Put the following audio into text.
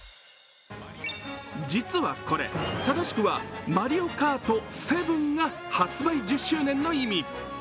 実はこれ、正しくは「マリオカート７」が発売１０周年の意味。